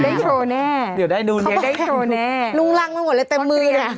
เดี๋ยวได้ไปโชว์แน่